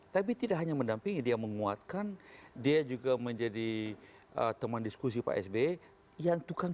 tapi tidak hanya mendampingi dia menguatkan dia juga menjadi teman diskusi pak sby yang tukang